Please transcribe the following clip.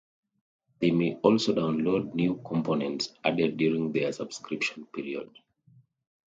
They may also download new components added during their subscription period.